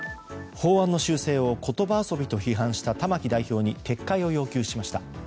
法案の修正を言葉遊びと批判した、玉木代表に撤回を要求しました。